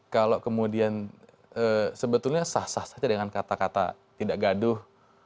kalau kemudian sebetulnya sah sah saja dengan kata kata tidak gaduh